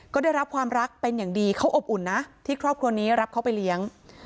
ก็ได้รับความรักเป็นอย่างดีเขาอบอุ่นนะที่ครอบครัวนี้รับเขาไปเลี้ยง